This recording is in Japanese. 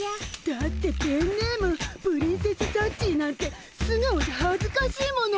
だってペンネームプリンセスサッチーなんてすがおじゃはずかしいもの。